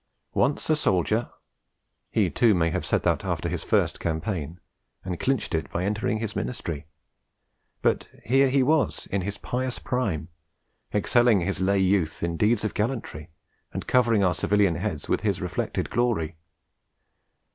'Once a soldier!' he too may have said after his first campaign, and clinched it by entering his ministry; but here he was in his pious prime, excelling his lay youth in deeds of gallantry, and covering our civilian heads with his reflected glory.